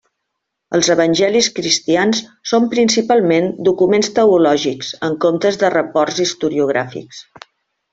Els Evangelis cristians són principalment documents teològics en comptes de reports historiogràfics.